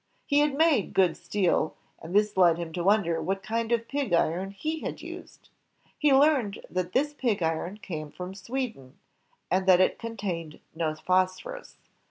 He had made good steel, and this led him to wonder what kind of pig iron he had used. He learned that this pig iron came from Sweden, and that it contained no phosphorus.